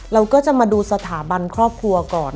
เราก็จะมาดูสถาบันครอบครัวก่อน